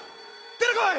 出てこい！